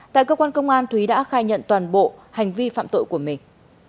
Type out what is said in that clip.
tại cơ quan công an thúy đã khai nhận toàn bộ hành vi phạm tội của mình